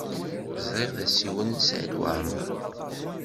Ẓriɣ d asiwel n Saɛid Waɛmaṛ.